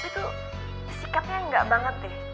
papi tuh sikapnya enggak banget deh